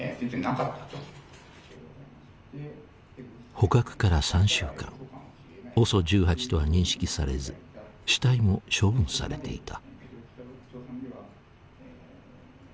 捕獲から３週間ＯＳＯ１８とは認識されず死体も処分されていた。